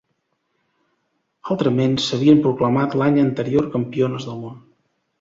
Altrament, s'havien proclamat l'any anterior campiones del món.